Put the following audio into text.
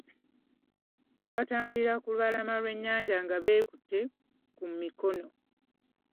Baatambulira ku lubalama lw'ennyanja nga beekute ku mikono.